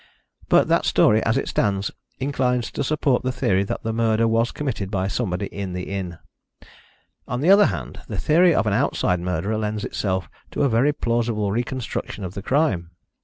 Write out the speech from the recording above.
But that story, as it stands, inclines to support the theory that the murder was committed by somebody in the inn. On the other hand, the theory of an outside murderer lends itself to a very plausible reconstruction of the crime.